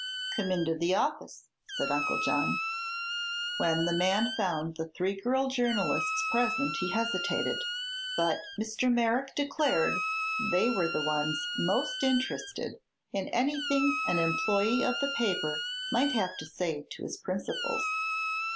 "Come into the office," said Uncle John. When the man found the three girl journalists present he hesitated, but Mr. Merrick declared they were the ones most interested in anything an employee of the paper might have to say to his principals.